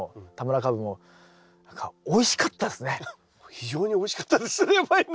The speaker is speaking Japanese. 非常においしかったですねやっぱりね。